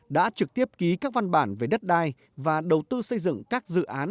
đã trực tiếp ký các văn bản về đất đai và đầu tư xây dựng các dự án